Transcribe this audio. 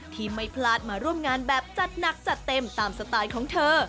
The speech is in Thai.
ที่ไม่พลาดมาร่วมงานแบบจัดหนักจัดเต็มตามสไตล์ของเธอ